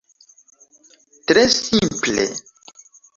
Tre simple.